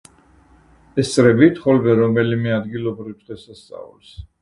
ესწრებით ხოლმე რომელიმე ადგილობრივ დღესასწაულს?